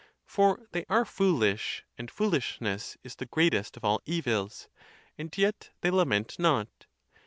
For they are fool ish, and foolishness is the greatest of all evils, and yet they lament not..